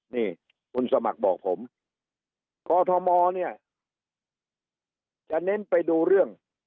นี่คุณสมัครบอกผมกอทมเนี่ยจะเน้นไปดูเรื่อง